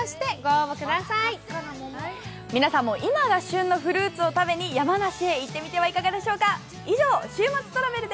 皆さんも今が旬のフルーツを食べに山梨へ行ってみてはいかがでしょうか。